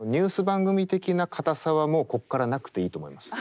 番組的な堅さはもうこっからなくていいと思います。